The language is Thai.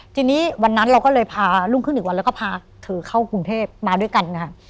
ทีนี้วันนั้นเราก็เลยพาลุงครึ่งหนึ่งวันแล้วก็พาคือเข้ากรุงเทพมาด้วยกันอ่ะค่ะ